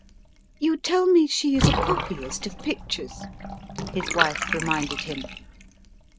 "You tell me she is a copyist of pictures," his wife reminded him.